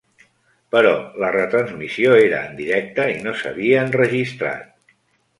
Però la retransmissió era en directe i no s'havia enregistrat.